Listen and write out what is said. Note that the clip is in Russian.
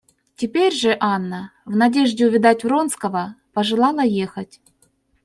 Теперь же Анна, в надежде увидать Вронского, пожелала ехать.